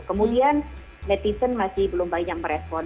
kemudian netizen masih belum banyak merespon